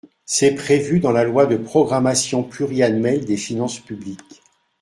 C’est prévu dans la loi de programmation pluriannuelle des finances publiques.